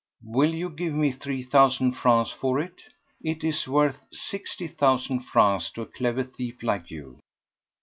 "Will you give me three thousand francs for it? It is worth sixty thousand francs to a clever thief like you."